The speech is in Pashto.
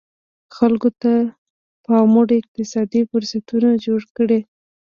خلکو ته پاموړ اقتصادي فرصتونه جوړ کړي.